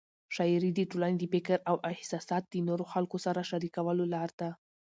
شاعري د ټولنې د فکر او احساسات د نورو خلکو سره شریکولو لار ده.